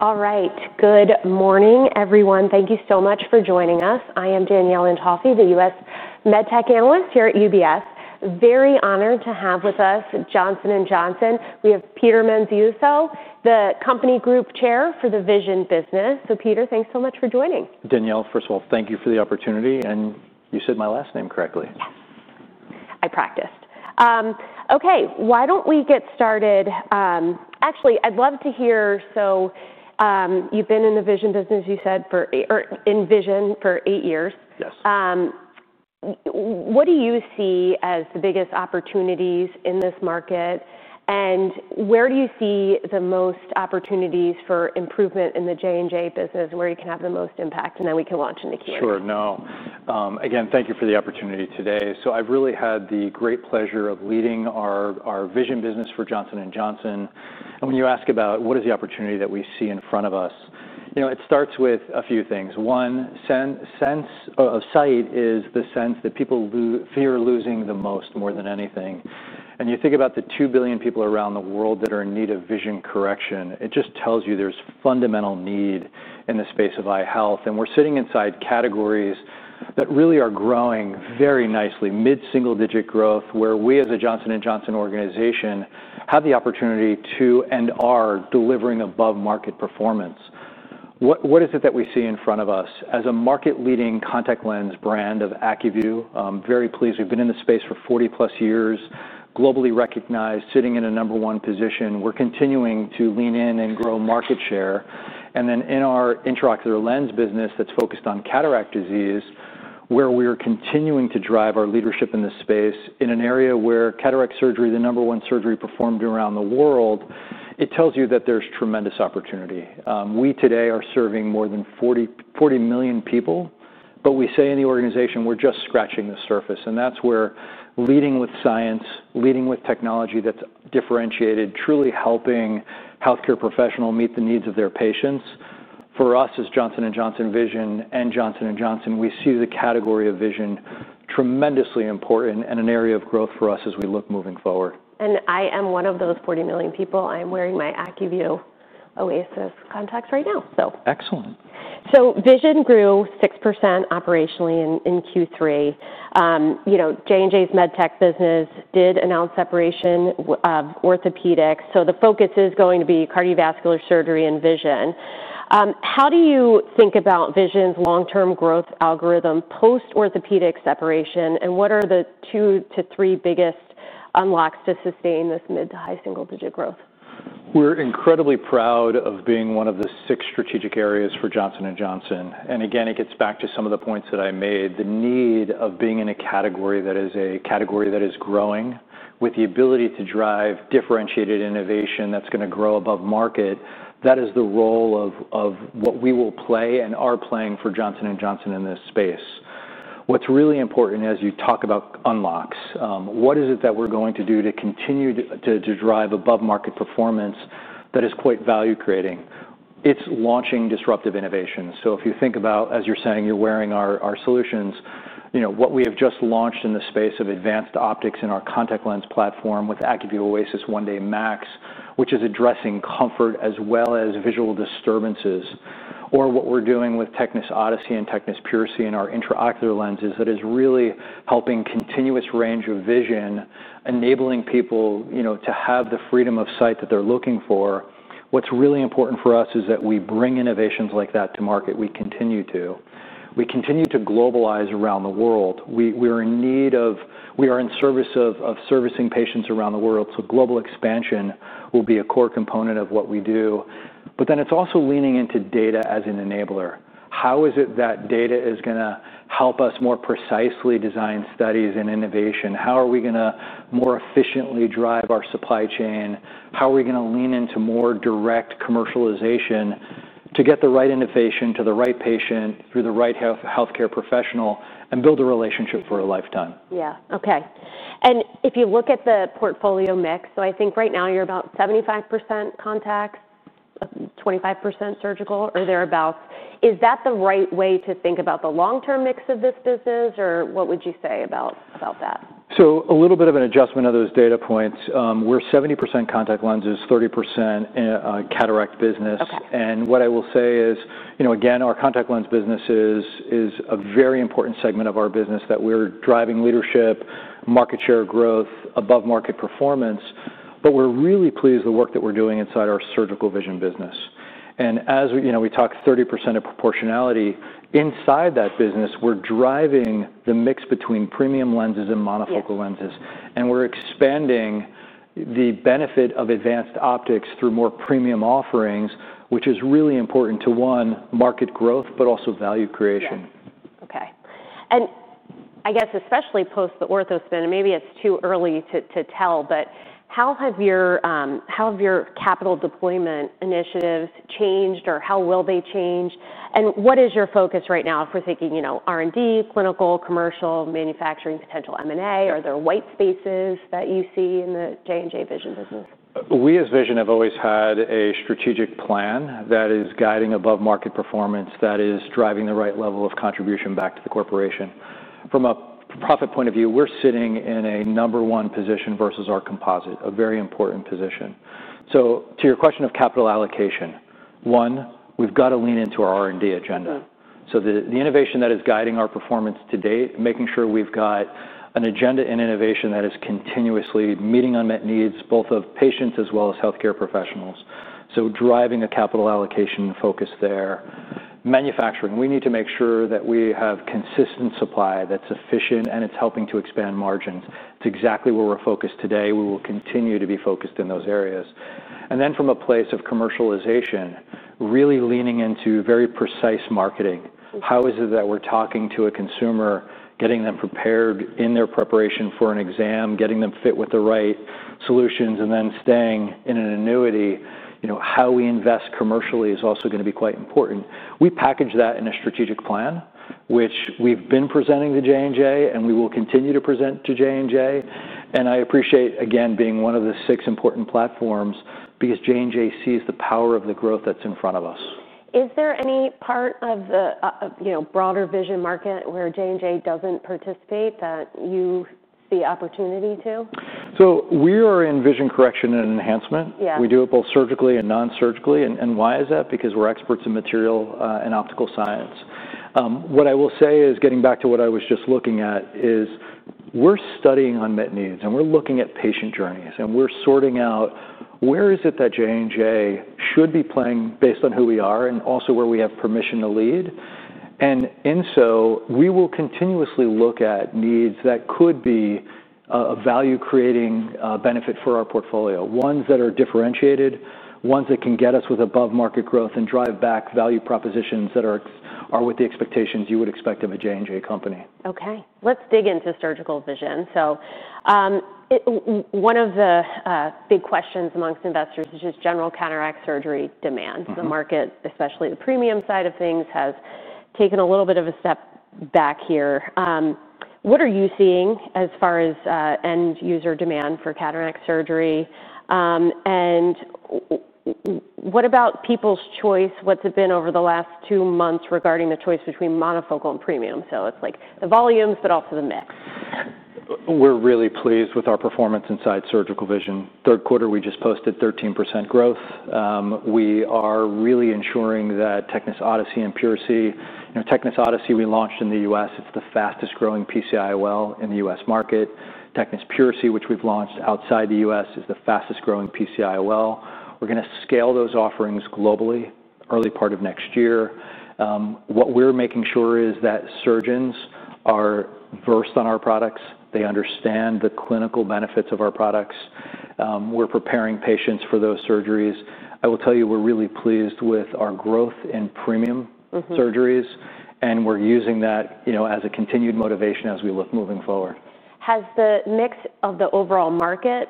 All right. Good morning, everyone. Thank you so much for joining us. I am Danielle Antalffy, the U.S. MedTech analyst here at UBS. Very honored to have with us Johnson & Johnson. We have Peter Menziuso, the company group chair for the vision business. Peter, thanks so much for joining. Danielle, first of all, thank you for the opportunity. And you said my last name correctly. Yes. I practiced. Okay. Why don't we get started? Actually, I'd love to hear—so you've been in the vision business, you said, for—or in vision for eight years. Yes. What do you see as the biggest opportunities in this market? Where do you see the most opportunities for improvement in the J&J business, where you can have the most impact, and then we can launch into Q&A? Sure. No. Again, thank you for the opportunity today. So I've really had the great pleasure of leading our vision business for Johnson & Johnson. And when you ask about what is the opportunity that we see in front of us, it starts with a few things. One, sense of sight is the sense that people fear losing the most, more than anything. And you think about the 2 billion people around the world that are in need of vision correction. It just tells you there's fundamental need in the space of eye health. And we're sitting inside categories that really are growing very nicely, mid-single-digit growth, where we as a Johnson & Johnson organization have the opportunity to, and are, delivering above-market performance. What is it that we see in front of us? As a market-leading contact lens brand of ACUVUE, very pleased. We've been in the space for 40-plus years, globally recognized, sitting in a number-one position. We're continuing to lean in and grow market share. In our intraocular lens business that's focused on cataract disease, where we're continuing to drive our leadership in this space in an area where cataract surgery is the number-one surgery performed around the world, it tells you that there's tremendous opportunity. We today are serving more than 40 million people, but we say in the organization we're just scratching the surface. That's where leading with science, leading with technology that's differentiated, truly helping healthcare professionals meet the needs of their patients. For us as Johnson & Johnson Vision and Johnson & Johnson, we see the category of vision tremendously important and an area of growth for us as we look moving forward. And I am one of those 40 million people. I'm wearing my ACUVUE OASYS contacts right now, so. Excellent. So vision grew 6% operationally in Q3. J&J's MedTech business did announce separation of orthopedics. So the focus is going to be cardiovascular surgery and vision. How do you think about vision's long-term growth algorithm post-orthopedic separation? And what are the two to three biggest unlocks to sustain this mid-to-high single-digit growth? We're incredibly proud of being one of the six strategic areas for Johnson & Johnson. And again, it gets back to some of the points that I made, the need of being in a category that is a category that is growing with the ability to drive differentiated innovation that's going to grow above market. That is the role of what we will play and are playing for Johnson & Johnson in this space. What's really important as you talk about unlocks, what is it that we're going to do to continue to drive above-market performance that is quite value-creating? It's launching disruptive innovation. So if you think about, as you're saying, you're wearing our solutions, what we have just launched in the space of advanced optics in our contact lens platform with ACUVUE OASYS 1-Day MAX, which is addressing comfort as well as visual disturbances. Or what we're doing with Tecnis Odyssey and Tecnis PureSee in our intraocular lenses that is really helping continuous range of vision, enabling people to have the freedom of sight that they're looking for. What's really important for us is that we bring innovations like that to market. We continue to. We continue to globalize around the world. We are in need of—we are in service of servicing patients around the world. So global expansion will be a core component of what we do. But then it's also leaning into data as an enabler. How is it that data is going to help us more precisely design studies and innovation? How are we going to more efficiently drive our supply chain? How are we going to lean into more direct commercialization to get the right innovation to the right patient through the right healthcare professional and build a relationship for a lifetime? Yeah. Okay. And if you look at the portfolio mix, so I think right now you're about 75% contacts, 25% surgical, or thereabouts. Is that the right way to think about the long-term mix of this business? Or what would you say about that? So a little bit of an adjustment of those data points. We're 70% contact lenses, 30% cataract business. And what I will say is, again, our contact lens business is a very important segment of our business that we're driving leadership, market share growth, above-market performance. But we're really pleased with the work that we're doing inside our surgical vision business. And as we talk, 30% of proportionality inside that business, we're driving the mix between premium lenses and monofocal lenses. And we're expanding the benefit of advanced optics through more premium offerings, which is really important to, one, market growth, but also value creation. Okay. And I guess especially post the orthospin, and maybe it's too early to tell, but how have your capital deployment initiatives changed, or how will they change? And what is your focus right now? If we're thinking R&D, clinical, commercial, manufacturing, potential M&A, are there white spaces that you see in the J&J Vision business? We as vision have always had a strategic plan that is guiding above-market performance that is driving the right level of contribution back to the corporation. From a profit point of view, we're sitting in a number-one position versus our composite, a very important position. So to your question of capital allocation, one, we've got to lean into our R&D agenda. So the innovation that is guiding our performance to date, making sure we've got an agenda in innovation that is continuously meeting unmet needs, both of patients as well as healthcare professionals. So driving a capital allocation focus there. Manufacturing, we need to make sure that we have consistent supply that's efficient and it's helping to expand margins. It's exactly where we're focused today. We will continue to be focused in those areas. And then from a place of commercialization, really leaning into very precise marketing. How is it that we're talking to a consumer, getting them prepared in their preparation for an exam, getting them fit with the right solutions, and then staying in an annuity? How we invest commercially is also going to be quite important. We package that in a strategic plan, which we've been presenting to J&J and we will continue to present to J&J. And I appreciate, again, being one of the six important platforms because J&J sees the power of the growth that's in front of us. Is there any part of the broader vision market where J&J doesn't participate that you see opportunity to? So we are in vision correction and enhancement. We do it both surgically and non-surgically. And why is that? Because we're experts in material and optical science. What I will say is, getting back to what I was just looking at, is we're studying unmet needs, and we're looking at patient journeys, and we're sorting out where is it that J&J should be playing based on who we are and also where we have permission to lead. And in so, we will continuously look at needs that could be a value-creating benefit for our portfolio, ones that are differentiated, ones that can get us with above-market growth and drive back value propositions that are with the expectations you would expect of a J&J company. Okay. Let's dig into surgical vision. So one of the big questions amongst investors is just general cataract surgery demand. The market, especially the premium side of things, has taken a little bit of a step back here. What are you seeing as far as end-user demand for cataract surgery? And what about people's choice? What's it been over the last two months regarding the choice between monofocal and premium? So it's like the volumes, but also the mix. We're really pleased with our performance inside surgical vision. Third quarter, we just posted 13% growth. We are really ensuring that Tecnis Odyssey and PureSee—Tecnis Odyssey, we launched in the U.S. It's the fastest-growing PC-IOL in the U.S. market. Tecnis PureSee, which we've launched outside the U.S., is the fastest-growing PC-IOL. We're going to scale those offerings globally early part of next year. What we're making sure is that surgeons are versed on our products. They understand the clinical benefits of our products. We're preparing patients for those surgeries. I will tell you, we're really pleased with our growth in premium surgeries, and we're using that as a continued motivation as we look moving forward. Has the mix of the overall market,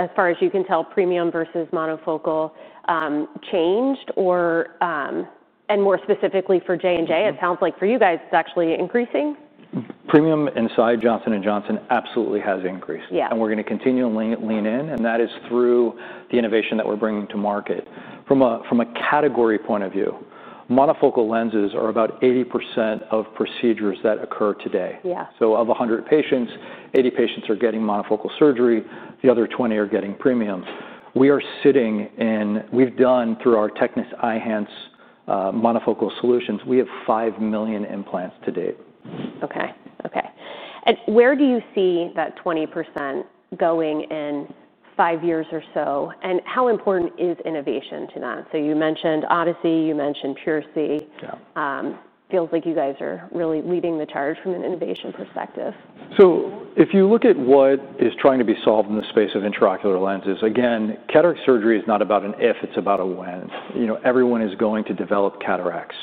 as far as you can tell, premium versus monofocal changed? And more specifically for J&J, it sounds like for you guys, it's actually increasing. Premium inside Johnson & Johnson absolutely has increased. And we're going to continue to lean in, and that is through the innovation that we're bringing to market. From a category point of view, monofocal lenses are about 80% of procedures that occur today. So of 100 patients, 80 patients are getting monofocal surgery. The other 20 are getting premium. We are sitting in—we've done, through our Tecnis Eyhance monofocal solutions, we have 5 million implants to date. Okay. Okay. And where do you see that 20% going in five years or so? And how important is innovation to that? So you mentioned Odyssey. You mentioned PureSee. Feels like you guys are really leading the charge from an innovation perspective. So if you look at what is trying to be solved in the space of intraocular lenses, again, cataract surgery is not about an if. It's about a when. Everyone is going to develop cataracts.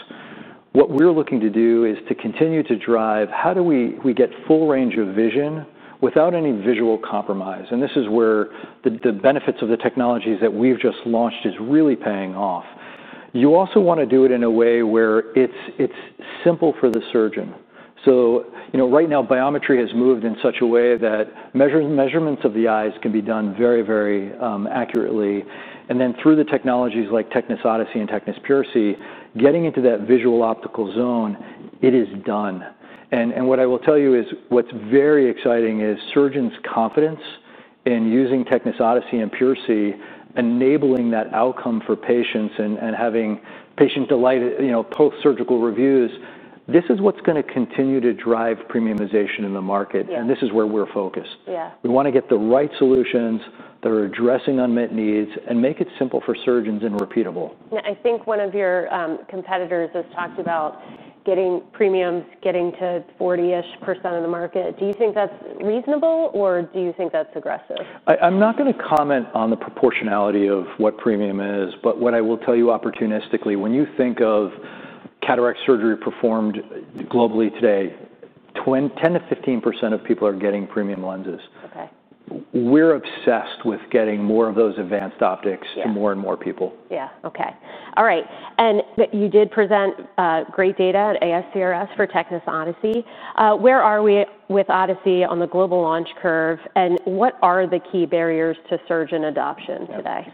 What we're looking to do is to continue to drive how do we get full range of vision without any visual compromise. And this is where the benefits of the technologies that we've just launched are really paying off. You also want to do it in a way where it's simple for the surgeon. So right now, biometry has moved in such a way that measurements of the eyes can be done very, very accurately. And then through the technologies like Tecnis Odyssey and Tecnis PureSee, getting into that visual optical zone, it is done. And what I will tell you is what's very exciting is surgeons' confidence in using Tecnis Odyssey and PureSee, enabling that outcome for patients and having patient-post-surgical reviews. This is what's going to continue to drive premiumization in the market. And this is where we're focused. We want to get the right solutions that are addressing unmet needs and make it simple for surgeons and repeatable. I think one of your competitors has talked about getting premiums, getting to 40-ish percent of the market. Do you think that's reasonable, or do you think that's aggressive? I'm not going to comment on the proportionality of what premium is, but what I will tell you opportunistically, when you think of cataract surgery performed globally today, 10-15 percent of people are getting premium lenses. We're obsessed with getting more of those advanced optics to more and more people. Yeah. Okay. All right. And you did present great data at ASCRS for Tecnis Odyssey. Where are we with Odyssey on the global launch curve, and what are the key barriers to surgeon adoption today?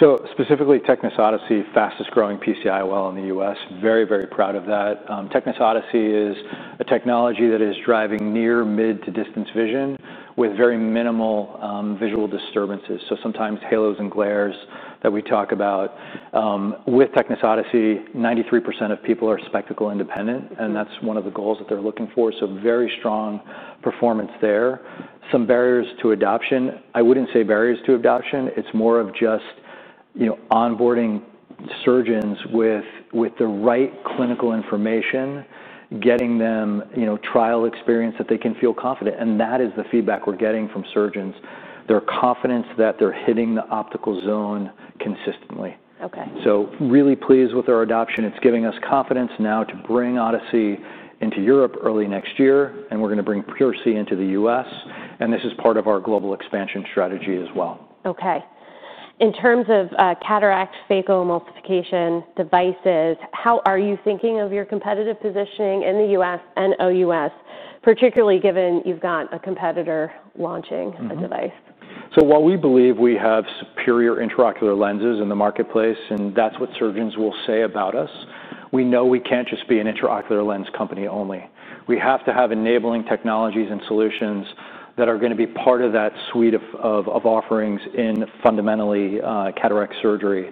So specifically, Tecnis Odyssey, fastest-growing PC-IOL in the U.S. Very, very proud of that. Tecnis Odyssey is a technology that is driving near, mid, to distance vision with very minimal visual disturbances. So sometimes halos and glares that we talk about. With Tecnis Odyssey, 93% of people are spectacle independent, and that's one of the goals that they're looking for. So very strong performance there. Some barriers to adoption. I wouldn't say barriers to adoption. It's more of just onboarding surgeons with the right clinical information, getting them trial experience that they can feel confident. And that is the feedback we're getting from surgeons. Their confidence that they're hitting the optical zone consistently. So really pleased with our adoption. It's giving us confidence now to bring Odyssey into Europe early next year, and we're going to bring PureSee into the U.S. and this is part of our global expansion strategy as well. Okay. In terms of cataract phacoemulsification devices, how are you thinking of your competitive positioning in the U.S. and OUS, particularly given you've got a competitor launching a device? So while we believe we have superior intraocular lenses in the marketplace, and that's what surgeons will say about us, we know we can't just be an intraocular lens company only. We have to have enabling technologies and solutions that are going to be part of that suite of offerings in fundamentally cataract surgery.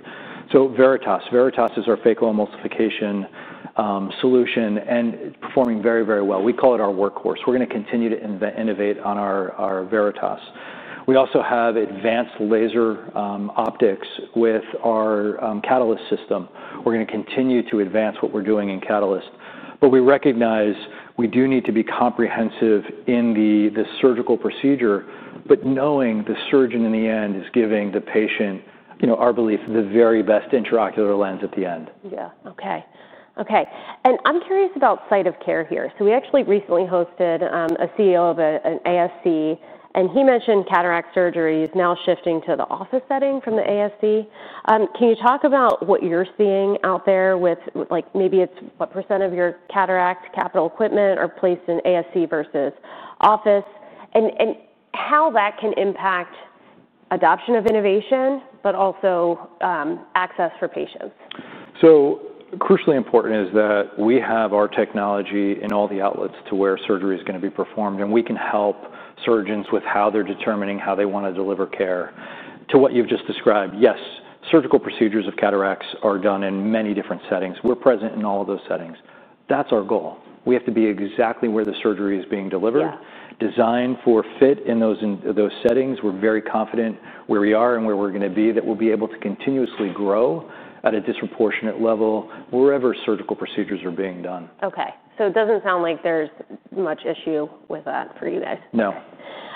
So VERITAS. VERITAS is our phacoemulsification solution and performing very, very well. We call it our workhorse. We're going to continue to innovate on our VERITAS. We also have advanced laser optics with our Catalyst system. We're going to continue to advance what we're doing in Catalyst. But we recognize we do need to be comprehensive in the surgical procedure, but knowing the surgeon in the end is giving the patient, our belief, the very best intraocular lens at the end. Yeah. Okay. Okay. And I'm curious about site of care here. So we actually recently hosted a CEO of an ASC, and he mentioned cataract surgery is now shifting to the office setting from the ASC. Can you talk about what you're seeing out there with maybe it's what percent of your cataract capital equipment are placed in ASC versus office and how that can impact adoption of innovation, but also access for patients? So crucially important is that we have our technology in all the outlets to where surgery is going to be performed, and we can help surgeons with how they're determining how they want to deliver care. To what you've just described, yes, surgical procedures of cataracts are done in many different settings. We're present in all of those settings. That's our goal. We have to be exactly where the surgery is being delivered, designed for fit in those settings. We're very confident where we are and where we're going to be that we'll be able to continuously grow at a disproportionate level wherever surgical procedures are being done. Okay. So it doesn't sound like there's much issue with that for you guys. No.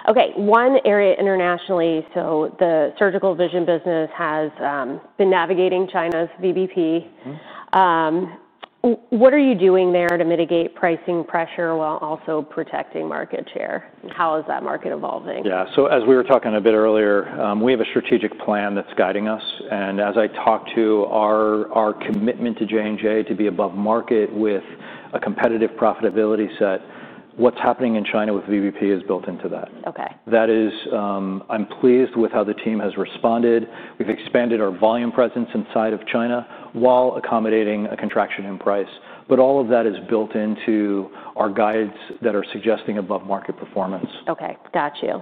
Okay. One area internationally. So the surgical vision business has been navigating China's VBP. What are you doing there to mitigate pricing pressure while also protecting market share? How is that market evolving? Yeah. So as we were talking a bit earlier, we have a strategic plan that's guiding us. And as I talk to our commitment to J&J to be above market with a competitive profitability set, what's happening in China with VBP is built into that. That is, I'm pleased with how the team has responded. We've expanded our volume presence inside of China while accommodating a contraction in price. But all of that is built into our guides that are suggesting above-market performance. Okay. Got you.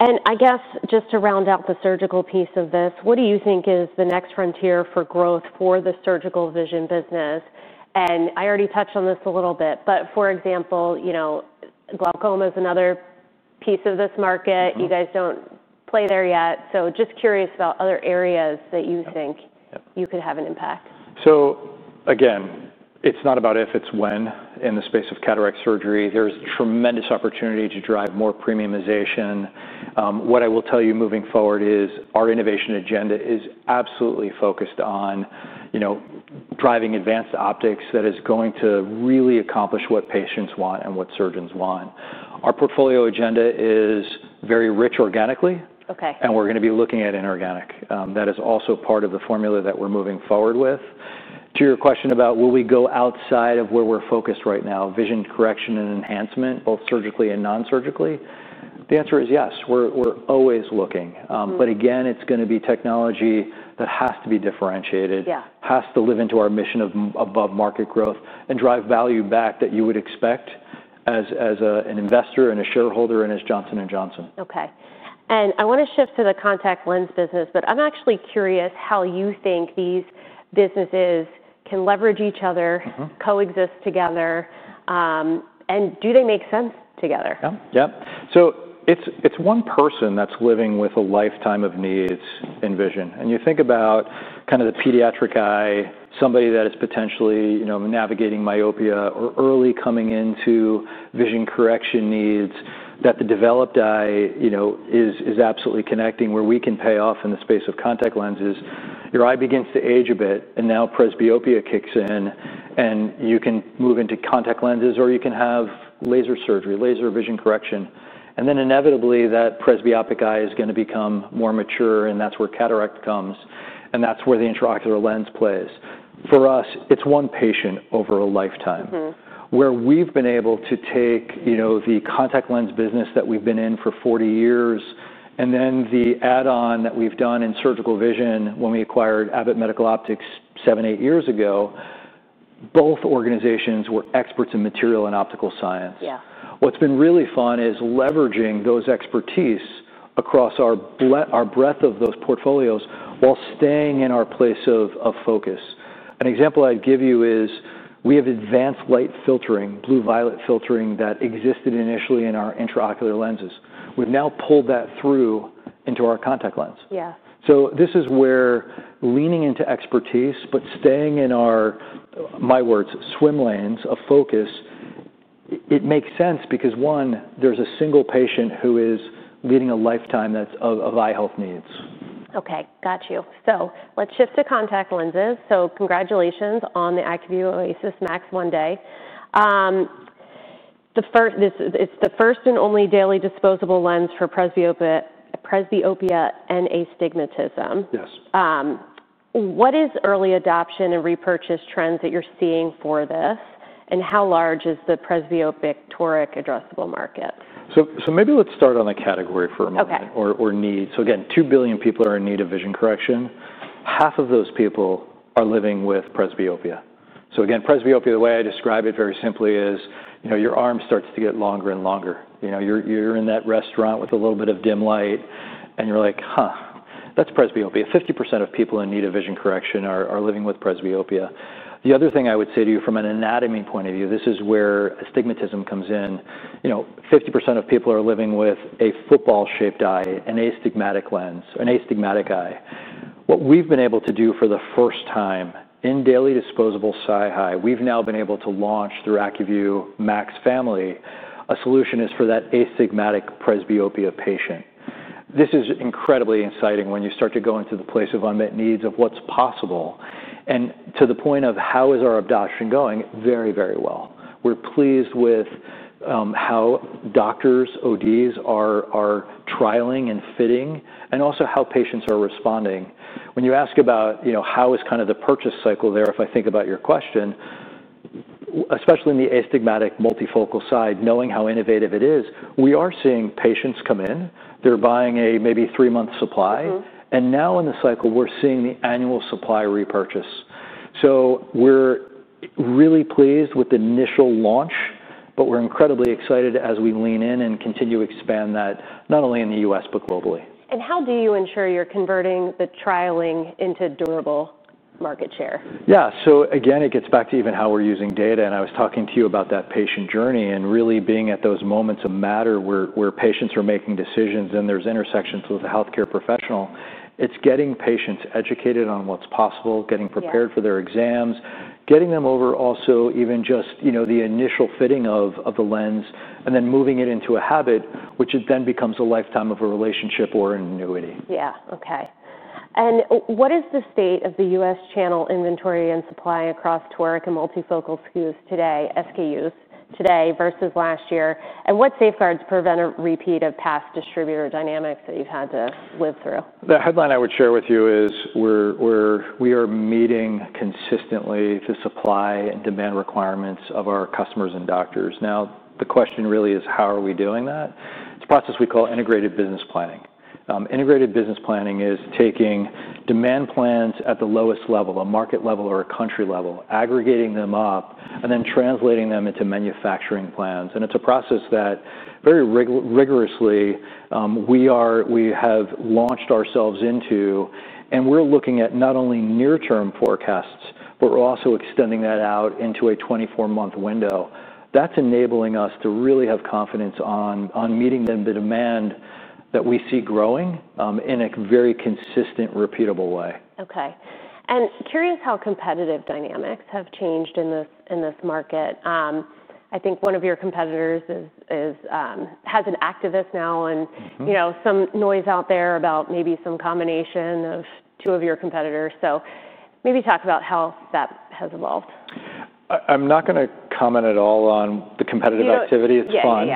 And I guess just to round out the surgical piece of this, what do you think is the next frontier for growth for the surgical vision business? And I already touched on this a little bit, but for example, glaucoma is another piece of this market. You guys don't play there yet. So just curious about other areas that you think you could have an impact. So again, it's not about if, it's when. In the space of cataract surgery, there's tremendous opportunity to drive more premiumization. What I will tell you moving forward is our innovation agenda is absolutely focused on driving advanced optics that is going to really accomplish what patients want and what surgeons want. Our portfolio agenda is very rich organically, and we're going to be looking at inorganic. That is also part of the formula that we're moving forward with. To your question about will we go outside of where we're focused right now, vision correction and enhancement, both surgically and nonsurgically, the answer is yes. We're always looking. But again, it's going to be technology that has to be differentiated, has to live into our mission of above-market growth, and drive value back that you would expect as an investor and a shareholder in Johnson & Johnson. Okay. And I want to shift to the contact lens business, but I'm actually curious how you think these businesses can leverage each other, coexist together, and do they make sense together? Yeah. So it's one person that's living with a lifetime of needs in vision. And you think about kind of the pediatric eye, somebody that is potentially navigating myopia or early coming into vision correction needs, that the developed eye is absolutely connecting where we can pay off in the space of contact lenses. Your eye begins to age a bit, and now presbyopia kicks in, and you can move into contact lenses, or you can have laser surgery, laser vision correction. And then inevitably, that presbyopic eye is going to become more mature, and that's where cataract comes, and that's where the intraocular lens plays. For us, it's one patient over a lifetime. Where we've been able to take the contact lens business that we've been in for 40 years, and then the add-on that we've done in surgical vision when we acquired Abbott Medical Optics seven, eight years ago, both organizations were experts in material and optical science. What's been really fun is leveraging those expertise across our breadth of those portfolios while staying in our place of focus. An example I'd give you is we have advanced light filtering, blue-violet filtering that existed initially in our intraocular lenses. We've now pulled that through into our contact lens. So this is where leaning into expertise, but staying in our, my words, swim lanes of focus, it makes sense because, one, there's a single patient who is leading a lifetime that's of eye health needs. Okay. Got you. So let's shift to contact lenses. So congratulations on the ACUVUE OASYS MAX 1-Day. It's the first and only daily disposable lens for presbyopia and astigmatism. What is early adoption and repurchase trends that you're seeing for this, and how large is the presbyopic toric addressable market? So maybe let's start on a category for a moment or need. So again, 2 billion people are in need of vision correction. Half of those people are living with presbyopia. So again, presbyopia, the way I describe it very simply is your arm starts to get longer and longer. You're in that restaurant with a little bit of dim light, and you're like, "Huh, that's presbyopia." 50% of people in need of vision correction are living with presbyopia. The other thing I would say to you from an anatomy point of view, this is where astigmatism comes in. 50% of people are living with a football-shaped eye, an astigmatic lens, an astigmatic eye. What we've been able to do for the first time in daily disposable si- high, we've now been able to launch through ACUVUE MAX Family, a solution is for that astigmatic presbyopia patient. This is incredibly exciting when you start to go into the place of unmet needs of what's possible. And to the point of how is our adoption going? Very, very well. We're pleased with how doctors, ODs, are trialing and fitting, and also how patients are responding. When you ask about how is kind of the purchase cycle there, if I think about your question, especially in the astigmatic multifocal side, knowing how innovative it is, we are seeing patients come in. They're buying a maybe three-month supply. And now in the cycle, we're seeing the annual supply repurchase. So we're really pleased with the initial launch, but we're incredibly excited as we lean in and continue to expand that not only in the U.S., but globally. And how do you ensure you're converting the trialing into durable market share? Yeah. So again, it gets back to even how we're using data. And I was talking to you about that patient journey and really being at those moments of matter where patients are making decisions and there's intersections with a healthcare professional. It's getting patients educated on what's possible, getting prepared for their exams, getting them over also even just the initial fitting of the lens, and then moving it into a habit, which then becomes a lifetime of a relationship or an annuity. Yeah. Okay. And what is the state of the U.S. channel inventory and supply across toric and multifocal SKUs today versus last year? And what safeguards prevent a repeat of past distributor dynamics that you've had to live through? The headline I would share with you is we are meeting consistently the supply and demand requirements of our customers and doctors. Now, the question really is how are we doing that? It's a process we call integrated business planning. Integrated business planning is taking demand plans at the lowest level, a market level or a country level, aggregating them up, and then translating them into manufacturing plans. And it's a process that very rigorously we have launched ourselves into, and we're looking at not only near-term forecasts, but we're also extending that out into a 24-month window. That's enabling us to really have confidence on meeting the demand that we see growing in a very consistent, repeatable way. Okay. And curious how competitive dynamics have changed in this market. I think one of your competitors has an activist now and some noise out there about maybe some combination of two of your competitors. So maybe talk about how that has evolved. I'm not going to comment at all on the competitive activity. Fun.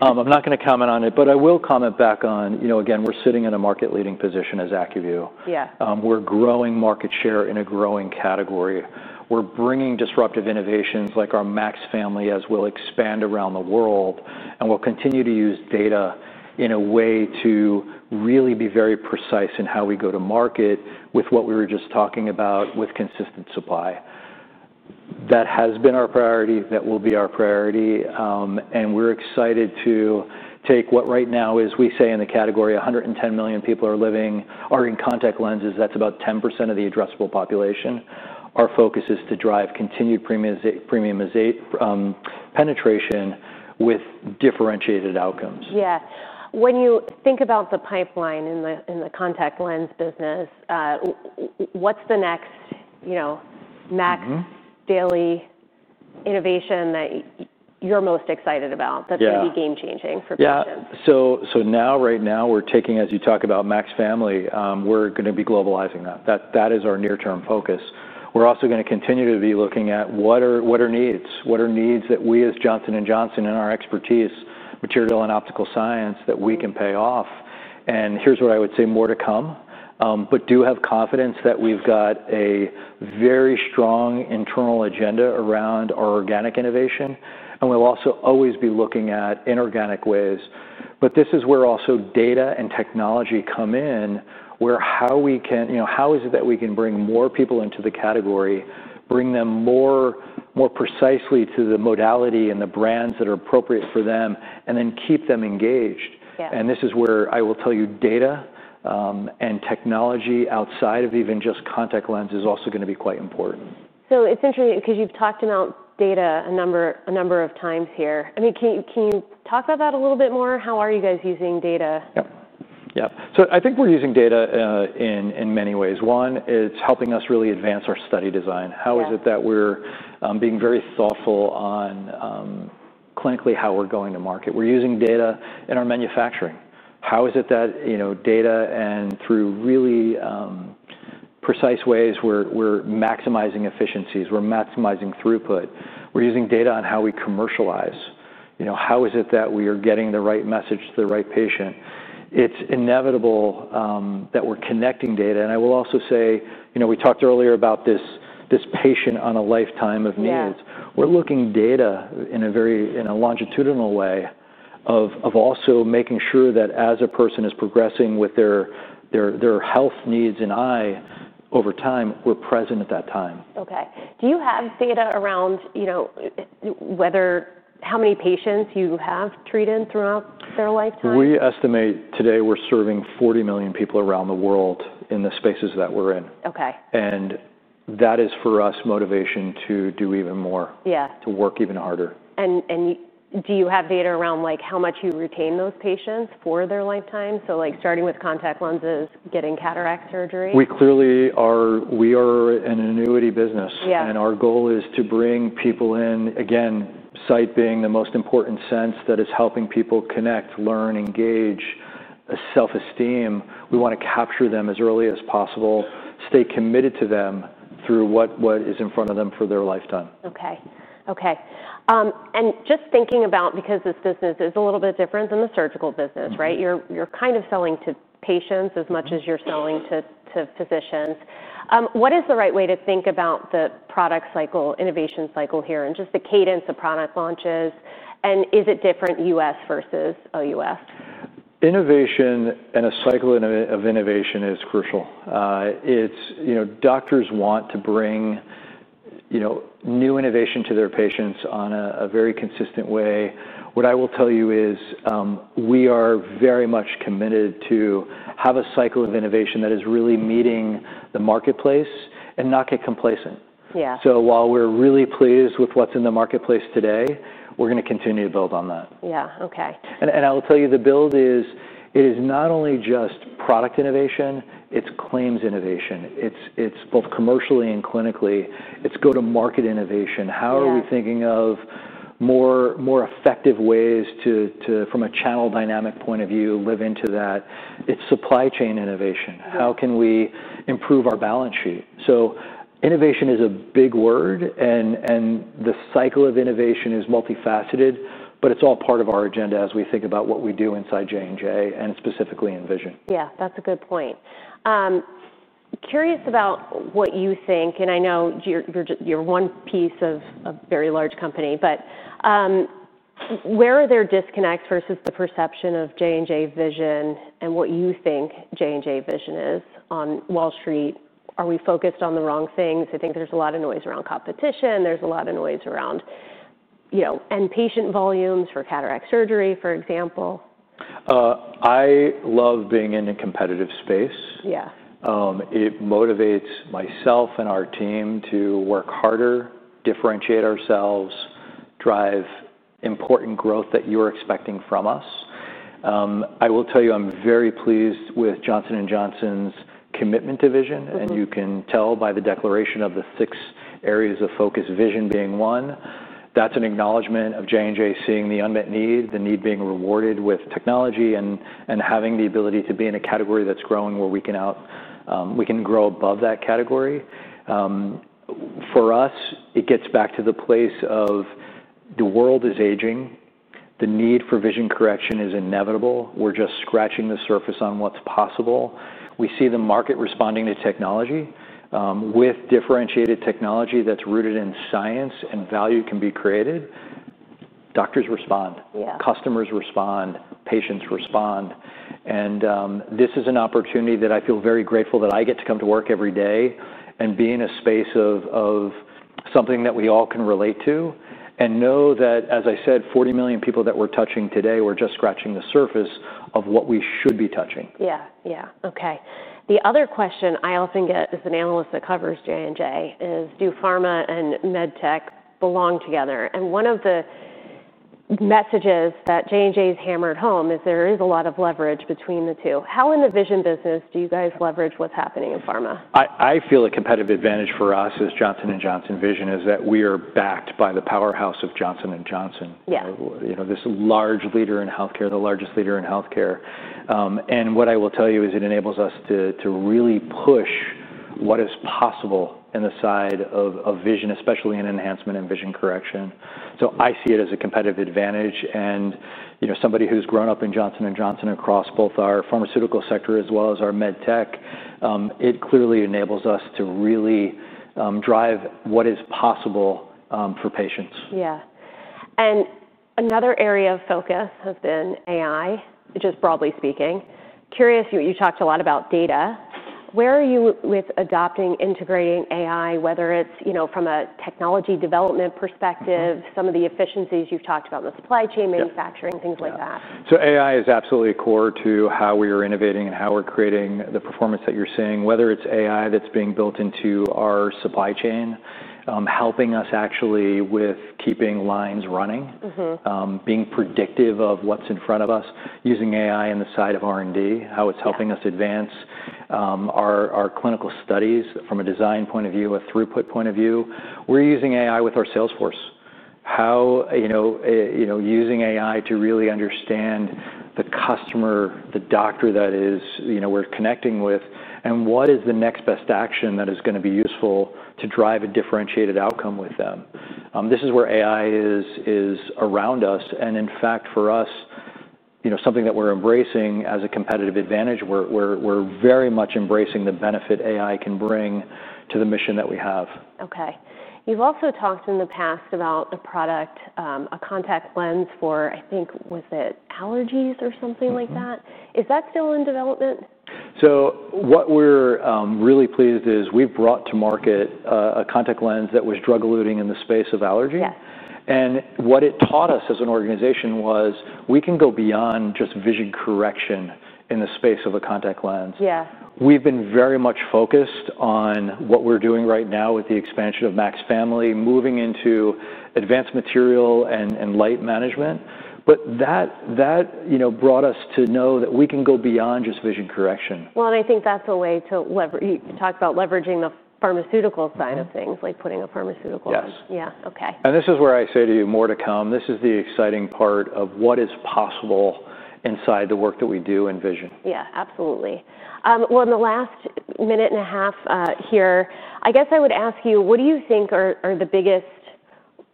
I'm not going to comment on it, but I will comment back on, again, we're sitting in a market-leading position as ACUVUE. We're growing market share in a growing category. We're bringing disruptive innovations like our MAX Family, as we'll expand around the world, and we'll continue to use data in a way to really be very precise in how we go to market with what we were just talking about with consistent supply. That has been our priority. That will be our priority. And we're excited to take what right now is we say in the category 110 million people are living are in contact lenses. That's about 10% of the addressable population. Our focus is to drive continued premiumization penetration with differentiated outcomes. Yeah. When you think about the pipeline in the contact lens business, what's the next max daily innovation that you're most excited about that's going to be game-changing for patients? Yeah. So now, right now, we're taking, as you talk about MAX Family, we're going to be globalizing that. That is our near-term focus. We're also going to continue to be looking at what are needs, what are needs that we as Johnson & Johnson and our expertise, material and optical science that we can pay off. And here's what I would say more to come, but do have confidence that we've got a very strong internal agenda around our organic innovation. And we'll also always be looking at inorganic ways. But this is where also data and technology come in, where how we can, how is it that we can bring more people into the category, bring them more precisely to the modality and the brands that are appropriate for them, and then keep them engaged. And this is where I will tell you data and technology outside of even just contact lens is also going to be quite important. So it's interesting because you've talked about data a number of times here. I mean, can you talk about that a little bit more? How are you guys using data? Yeah. Yeah. So I think we're using data in many ways. One, it's helping us really advance our study design. How is it that we're being very thoughtful on clinically how we're going to market? We're using data in our manufacturing. How is it that data and through really precise ways, we're maximizing efficiencies, we're maximizing throughput. We're using data on how we commercialize. How is it that we are getting the right message to the right patient? It's inevitable that we're connecting data. And I will also say we talked earlier about this patient on a lifetime of needs. We're looking data in a longitudinal way of also making sure that as a person is progressing with their health needs in eye. Over time, we're present at that time. Okay. Do you have data around how many patients you have treated throughout their lifetime? We estimate today we're serving 40 million people around the world in the spaces that we're in. And that is for us motivation to do even more, to work even harder. And do you have data around how much you retain those patients for their lifetime? So starting with contact lenses, getting cataract surgery. We clearly are an annuity business, and our goal is to bring people in, again, sight being the most important sense that is helping people connect, learn, engage, self-esteem. We want to capture them as early as possible, stay committed to them through what is in front of them for their lifetime. Okay. Okay. And just thinking about because this business is a little bit different than the surgical business, right? You're kind of selling to patients as much as you're selling to physicians. What is the right way to think about the product cycle, innovation cycle here, and just the cadence of product launches? And is it different U.S. versus OUS? Innovation and a cycle of innovation is crucial. Doctors want to bring new innovation to their patients on a very consistent way. What I will tell you is we are very much committed to have a cycle of innovation that is really meeting the marketplace and not get complacent. So while we're really pleased with what's in the marketplace today, we're going to continue to build on that. Yeah. Okay. And I will tell you the build is it is not only just product innovation, it's claims innovation. It's both commercially and clinically. It's go-to-market innovation. How are we thinking of more effective ways to, from a channel dynamic point of view, live into that? It's supply chain innovation. How can we improve our balance sheet? So innovation is a big word, and the cycle of innovation is multifaceted, but it's all part of our agenda as we think about what we do inside J&J and specifically in vision. Yeah. That's a good point. Curious about what you think, and I know you're one piece of a very large company, but where are there disconnects versus the perception of J&J Vision and what you think J&J Vision is on Wall Street? Are we focused on the wrong things? I think there's a lot of noise around competition. There's a lot of noise around patient volumes for cataract surgery, for example. I love being in a competitive space. It motivates myself and our team to work harder, differentiate ourselves, drive important growth that you're expecting from us. I will tell you, I'm very pleased with Johnson & Johnson's commitment to vision. And you can tell by the declaration of the six areas of focus vision being one. That's an acknowledgment of J&J seeing the unmet need, the need being rewarded with technology and having the ability to be in a category that's growing where we can grow above that category. For us, it gets back to the place of the world is aging. The need for vision correction is inevitable. We're just scratching the surface on what's possible. We see the market responding to technology. With differentiated technology that's rooted in science and value can be created, doctors respond, customers respond, patients respond. And this is an opportunity that I feel very grateful that I get to come to work every day and be in a space of something that we all can relate to and know that, as I said, 40 million people that we're touching today were just scratching the surface of what we should be touching. Yeah. Yeah. Okay. The other question I often get as an analyst that covers J&J is, do Pharma and MedTech belong together? And one of the messages that J&J has hammered home is there is a lot of leverage between the two. How in the vision business do you guys leverage what's happening in Pharma? I feel a competitive advantage for us as Johnson & Johnson Vision is that we are backed by the powerhouse of Johnson & Johnson, this large leader in healthcare, the largest leader in healthcare. And what I will tell you is it enables us to really push what is possible in the side of vision, especially in enhancement and vision correction. So I see it as a competitive advantage. And somebody who's grown up in Johnson & Johnson across both our Pharmaceutical sector as well as our MedTech, it clearly enables us to really drive what is possible for patients. Yeah. And another area of focus has been AI, just broadly speaking. Curious, you talked a lot about data. Where are you with adopting, integrating AI, whether it's from a technology development perspective, some of the efficiencies you've talked about in the supply chain, manufacturing, things like that? So AI is absolutely core to how we are innovating and how we're creating the performance that you're seeing, whether it's AI that's being built into our supply chain, helping us actually with keeping lines running, being predictive of what's in front of us, using AI in the side of R&D, how it's helping us advance our clinical studies from a design point of view, a throughput point of view. We're using AI with our sales force. How using AI to really understand the customer, the doctor that we're connecting with, and what is the next best action that is going to be useful to drive a differentiated outcome with them. This is where AI is around us. And in fact, for us, something that we're embracing as a competitive advantage, we're very much embracing the benefit AI can bring to the mission that we have. Okay. You've also talked in the past about a product, a contact lens for, I think, was it allergies or something like that? Is that still in development? So, what we're really pleased is we've brought to market a contact lens that was drug-eluting in the space of allergy. And what it taught us as an organization was we can go beyond just vision correction in the space of a contact lens. We've been very much focused on what we're doing right now with the expansion of MAX Family, moving into advanced material and light management. But that brought us to know that we can go beyond just vision correction. I think that's a way to talk about leveraging the pharmaceutical side of things, like putting a pharmaceutical. Yes. Yeah. Okay. This is where I say to you, more to come. This is the exciting part of what is possible inside the work that we do in vision. Yeah. Absolutely. In the last minute and a half here, I guess I would ask you, what do you think are the biggest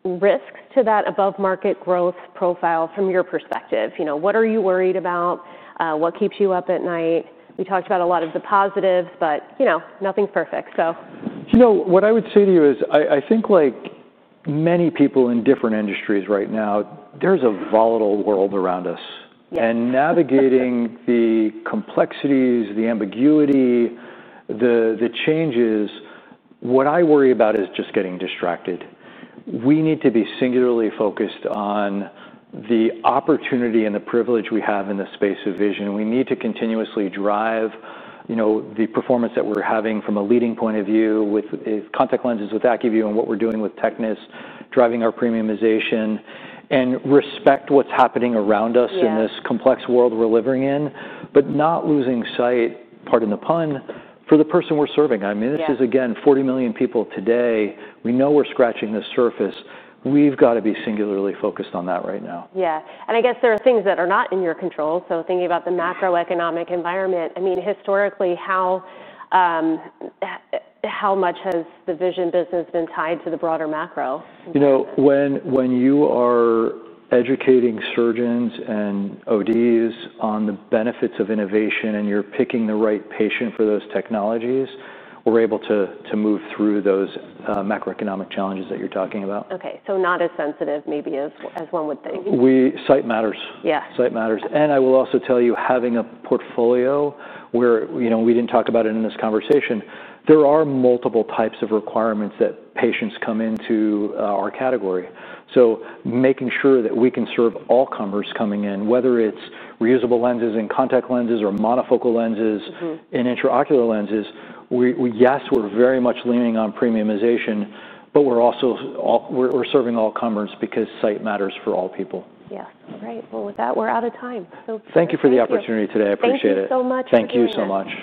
risks to that above-market growth profile from your perspective? What are you worried about? What keeps you up at night? We talked about a lot of the positives, but nothing's perfect. You know, what I would say to you is I think like many people in different industries right now, there's a volatile world around us, and navigating the complexities, the ambiguity, the changes, what I worry about is just getting distracted. We need to be singularly focused on the opportunity and the privilege we have in the space of vision. We need to continuously drive the performance that we're having from a leading point of view with contact lenses with ACUVUE and what we're doing with Tecnis, driving our premiumization and respect what's happening around us in this complex world we're living in, but not losing sight, pardon the pun, for the person we're serving. I mean, this is, again, 40 million people today. We know we're scratching the surface. We've got to be singularly focused on that right now. Yeah. And I guess there are things that are not in your control. So thinking about the macroeconomic environment, I mean, historically, how much has the vision business been tied to the broader macro? You know, when you are educating surgeons and ODs on the benefits of innovation and you're picking the right patient for those technologies, we're able to move through those macroeconomic challenges that you're talking about. Okay. So not as sensitive maybe as one would think. We sight matters. Yeah. Sight matters. And I will also tell you, having a portfolio where we didn't talk about it in this conversation, there are multiple types of requirements that patients come into our category. So making sure that we can serve all comers coming in, whether it's reusable lenses and contact lenses or monofocal lenses and intraocular lenses, yes, we're very much leaning on premiumization, but we're serving all comers because sight matters for all people. Yeah. All right. Well, with that, we're out of time. Thank you for the opportunity today. I appreciate it. Thank you so much. Thank you so much.